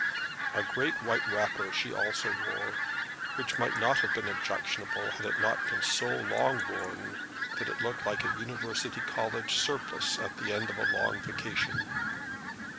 A great white wrapper she also wore, which might not have been objectionable had it not been so long worn that it looked like a university college surplice at the end of the long vacation.